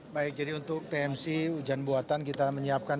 baik jadi untuk tmc hujan buatan kita menyiapkan